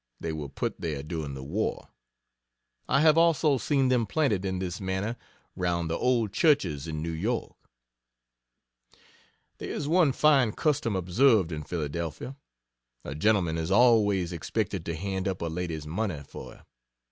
They were put there during the war. I have also seen them planted in this manner, round the old churches, in N. Y..... There is one fine custom observed in Phila. A gentleman is always expected to hand up a lady's money for her.